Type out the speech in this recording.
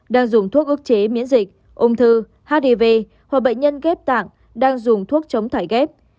đang dùng thuốc chế miễn dịch ung thư hiv hoặc bệnh nhân ghép tạng đang dùng thuốc chống thải ghép